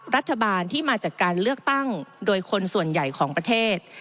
รัฐบาลที่มาจากการเลือกตั้งโดยคนส่วนใหญ่ของประเทศ